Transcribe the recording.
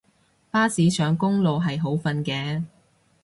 巴士上公路係好瞓嘅